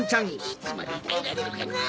いつまでたえられるかな？